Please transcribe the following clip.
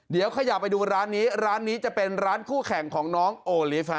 เดี๋ยวขยับไปดูร้านนี้ร้านนี้จะเป็นร้านคู่แข่งของน้องโอลิฟต์ฮะ